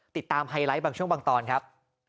ไฮไลท์บางช่วงบางตอนครับ